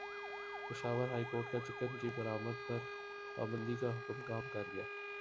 Peshawar high court کا chicken کی برآمد پر پابندی کا حکم کام کر گیا